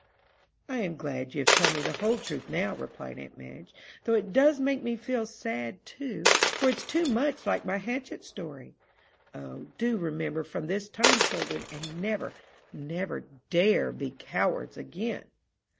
"I am glad you have told me the whole truth now," replied aunt Madge, "though it does make me feel sad, too, for it's too much like my hatchet story. O, do remember from this time, children, and never, never, dare be cowards again!"